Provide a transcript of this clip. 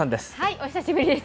お久しぶりです。